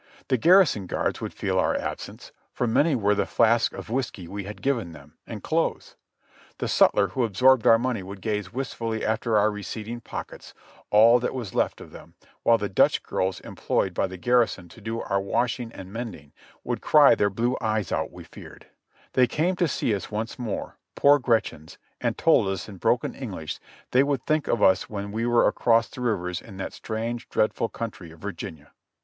The garrison guards would feel our absence, for many were the flasks of whiskey we had given them, and clothes; the sutler who absorbed our money would gaze wistfully after our receding pockets, "all that was left of them," while the Dutch girls em ployed by the garrison to do our washing and mending would cry their blue eyes out we feared ; they came to see us once more, poor Gretchens, and told us, in broken English, they would think of us when we were across the rivers in that "strange, dreadful country of Virginia."